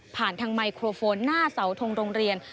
ทางไมโครโฟนหน้าเสาทงโรงเรียน